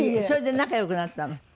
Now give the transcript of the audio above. それで仲良くなったの？